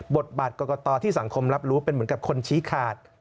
บทบาทกรกตที่สังคมรับรู้เป็นเหมือนกับคนชี้ขาด